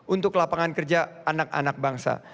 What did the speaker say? untuk lapangan kerja anak anak bangsa